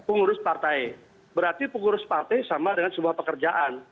pengurus partai berarti pengurus partai sama dengan sebuah pekerjaan